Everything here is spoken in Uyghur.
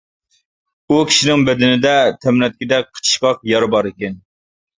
ئۇ كىشىنىڭ بەدىنىدە تەمرەتكىدەك قىچىشقاق يارا بار ئىكەن.